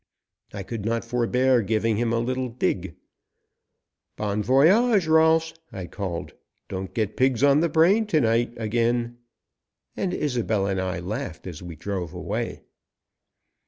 I could not forbear giving him a little dig. "Bon voyage, Rolfs," I called. "Don't get pigs on the brain to night again!" and Isobel and I laughed as we drove away.